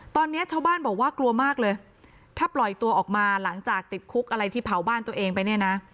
ตอนนี้ชาวบ้านบอกว่ากลัวมากเลยถ้าปล่อยตัวออกมาหลังจากติดคุกอะไรที่เผาบ้านตัวเองไปเนี่ยนะ